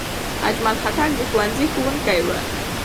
اجمل خټک د ښوونځي ښوونکی و.